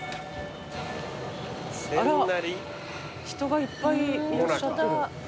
あら人がいっぱいいらっしゃってる。